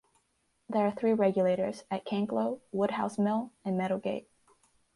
There are three regulators, at Canklow, Woodhouse Mill and Meadowgate.